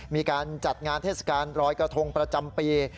มีการจัดงานเทศกาลรอยกระทงประจำปี